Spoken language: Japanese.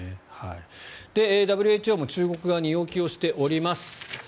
ＷＨＯも中国側に要求をしております。